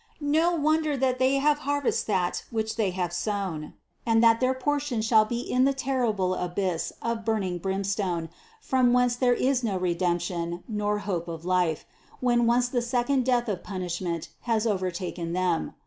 No wonder that they harvest that which they have sown, and that their portion shall be in the terrible abyss of burning brimstone from whence there is no redemption nor hope of life, when once the second death of punishment has overtaken them.